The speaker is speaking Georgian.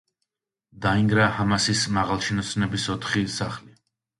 დაინგრა ჰამასის მაღალჩინოსნების ოთხი სახლი.